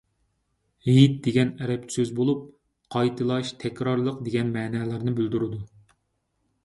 «ھېيت» دېگەن ئەرەبچە سۆز بولۇپ، «قايتىلاش، تەكرارلىق» دېگەن مەنىلەرنى بىلدۈرىدۇ.